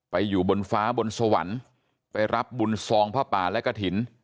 อยู่บนฟ้าบนสวรรค์ไปรับบุญซองผ้าป่าและกระถิ่น